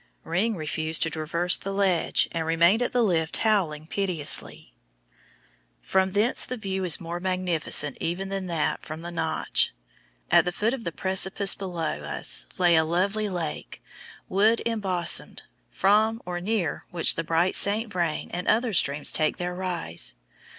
"Ring" refused to traverse the Ledge, and remained at the "Lift" howling piteously. From thence the view is more magnificent even than that from the "Notch." At the foot of the precipice below us lay a lovely lake, wood embosomed, from or near which the bright St. Vrain and other streams take their rise.